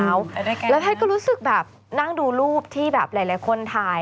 แล้วแพทย์ก็รู้สึกแบบนั่งดูรูปที่แบบหลายคนถ่าย